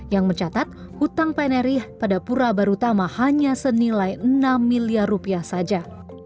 yang mencatat hutang pnri pada pura barutama hanya senilai enam miliar rupiah saja